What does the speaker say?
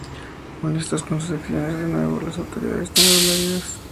Molestos con sus acciones, de nuevo, las autoridades tomaron medidas.